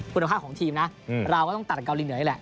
คุณภาพของทีมนะเราก็ต้องตัดเกาหลีเหนือนี่แหละ